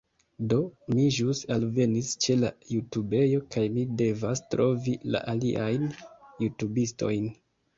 Do, mi ĵus alvenis ĉe la jutubejo kaj mi devas trovi la aliajn jutubistojn